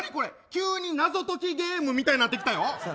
急に謎解きゲームみたいになってきてるよ？